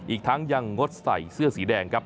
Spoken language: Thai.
อีกทั้งยังงดใส่เสื้อสีแดงครับ